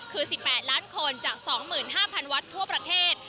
คือ๑๘ล้านคนจาก๒๕๐๐๐วัดทั่วประเทศ